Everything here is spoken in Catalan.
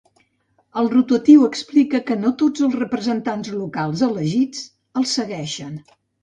El rotatiu explica que no tots els representants locals elegits ‘el segueixen’.